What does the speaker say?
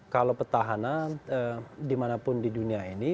kalau petahana dimanapun di dunia ini